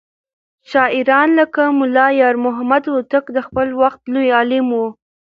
شاعران لکه ملا يارمحمد هوتک د خپل وخت لوى عالم و.